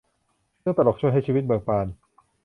เรื่องตลกช่วยให้ชีวิตเบิกบาน